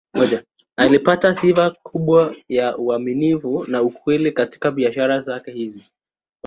Alipata sifa kubwa ya uaminifu na ukweli katika biashara zake hizi.